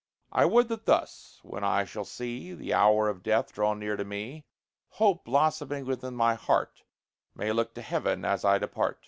I would that thus, when I shall see The hour of death draw near to me, Hope, blossoming within my heart, May look to heaven as I depart.